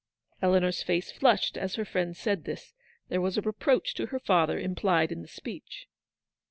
Eleanor's face flushed as her friend said this : there was a reproach to her father implied in the speech.